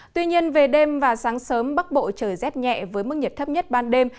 tuy nhiên về đêm và sáng sớm bắc bộ trời rét nhẹ với mức nhiệt thấp nhất ban đêm